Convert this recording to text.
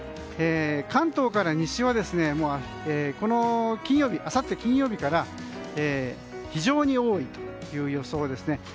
関東から西はあさって金曜日から非常に多いという予想ですね。